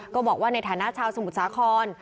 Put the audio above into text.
ก็บอกว่าในฐานะชาวสมุทรสาคร